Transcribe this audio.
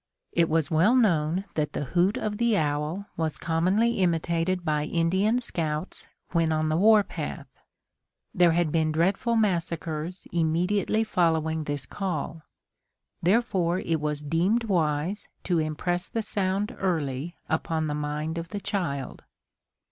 It was well known that the hoot of the owl was commonly imitated by Indian scouts when on the war path. There had been dreadful massacres immediately following this call. Therefore it was deemed wise to impress the sound early upon the mind of the child.